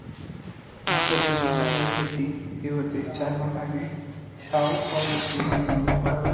মাত্র দুই ঘণ্টা হলো এসেছি রিওতে, চার ঘণ্টা আগে সাও পাওলোর বিমানবন্দরে।